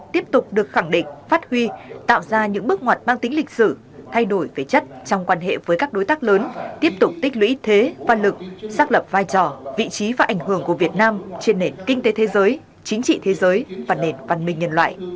tiếp tục được khẳng định phát huy tạo ra những bước ngoặt mang tính lịch sử thay đổi về chất trong quan hệ với các đối tác lớn tiếp tục tích lũy thế văn lực xác lập vai trò vị trí và ảnh hưởng của việt nam trên nền kinh tế thế giới chính trị thế giới và nền văn minh nhân loại